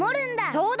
そうだ！